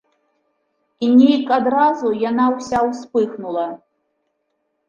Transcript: І нейк адразу яна ўся ўспыхнула.